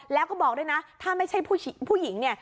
แล้วก็บอกด้วยนะถ้าไม่ใช่ผู้หญิงเนี่ย